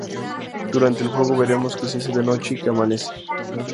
Durante el juego veremos que se hace de noche y que amanece.